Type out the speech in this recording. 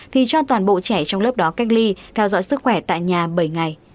thì cho toàn bộ trẻ trong lớp đó cách ly theo dõi sức khỏe tại nhà bảy ngày